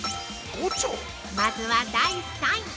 まずは第３位。